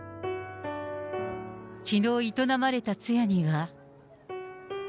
きのう営まれた通夜には。